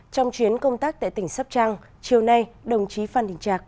trong chuyến công tác tại tỉnh sắp trăng chiều nay đồng chí phan đình trạc